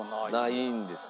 ないんですね。